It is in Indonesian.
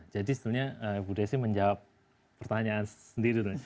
jadi sebenarnya bu desi menjawab pertanyaan sendiri